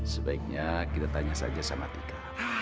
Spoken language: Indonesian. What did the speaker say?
sebaiknya kita tanya saja sama tika